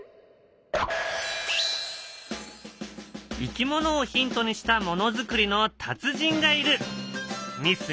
いきものをヒントにしたものづくりの達人がいる。